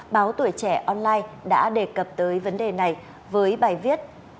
báo tuổi trẻ online đã đề cập tới vấn đề này với bài viết